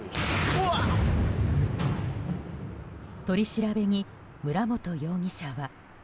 取り調べに村元容疑者は。